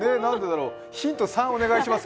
ヒント３お願いします。